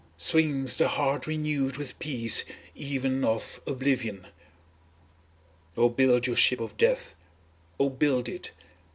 Swings the heart renewed with peace even of oblivion. Oh build your ship of death. Oh build it!